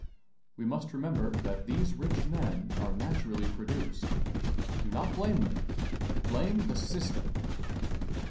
We must remember that these rich men are naturally produced. Do not blame them. Blame the system!